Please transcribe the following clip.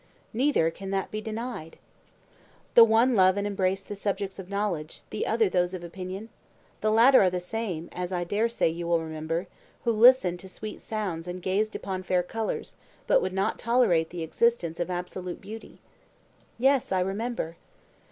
Neither can that be denied. The one love and embrace the subjects of knowledge, the other those of opinion? The latter are the same, as I dare say you will remember, who listened to sweet sounds and gazed upon fair colours, but would not tolerate the existence of absolute beauty. Yes, I remember.